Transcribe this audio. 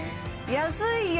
安いよ！